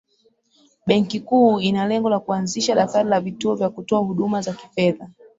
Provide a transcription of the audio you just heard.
benki kuu ina lengo la kuanzisha daftari la vituo vya kutoa huduma za kifedha